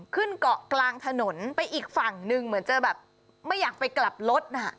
ขึ้นเกาะกลางถนนไปอีกฝั่งหนึ่งเหมือนจะแบบไม่อยากไปกลับรถน่ะ